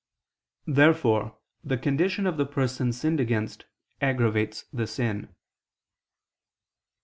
Therefore the condition of the person sinned against aggravates the sin.